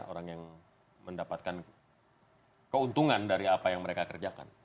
orang yang mendapatkan keuntungan dari apa yang mereka kerjakan